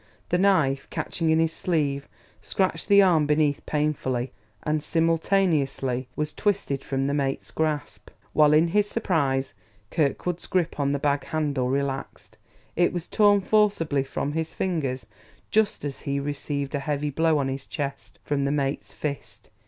The knife, catching in his sleeve, scratched the arm beneath painfully, and simultaneously was twisted from the mate's grasp, while in his surprise Kirkwood's grip on the bag handle relaxed. It was torn forcibly from his fingers just as he received a heavy blow on his chest from the mate's fist.